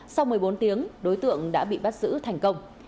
sau một mươi bốn tiếng đối tượng đã bị bắt giữ thành công